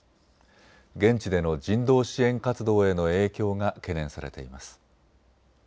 現地での人道支援活動への影響が懸念されています。